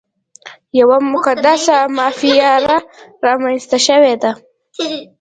یوه مقدسه مافیا رامنځته شوې ده.